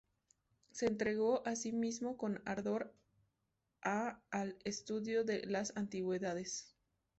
Se entregó así mismo con ardor a al estudio de las antigüedades.